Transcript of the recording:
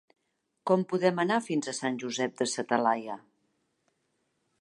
Com podem anar fins a Sant Josep de sa Talaia?